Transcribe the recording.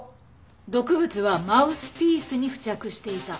毒物はマウスピースに付着していた。